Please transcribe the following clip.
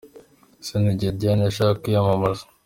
Ese ni igihe Diane yashakaga kwiyamamaza?